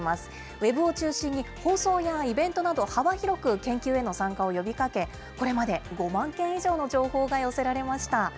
ウェブを中心に、放送やイベントなど、幅広く研究への参加を呼びかけ、これまで５万件以上の情報が寄せられました。